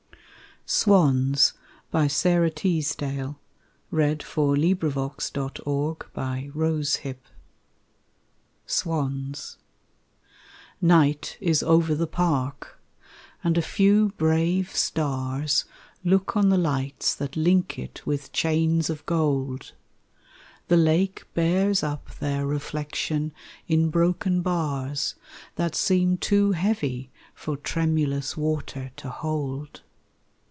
rt is sad; His kiss was not so wonderful As all the dreams I had. Swans Night is over the park, and a few brave stars Look on the lights that link it with chains of gold, The lake bears up their reflection in broken bars That seem too heavy for tremulous water to hold.